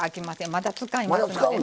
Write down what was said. まだ使いますのでね。